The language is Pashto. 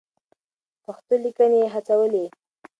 پښتو ليکنې يې هڅولې.